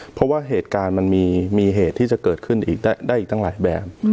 เพราะว่าเหตุการณ์มันมีเหตุที่จะเกิดขึ้นอีกได้อีกตั้งหลายแบบ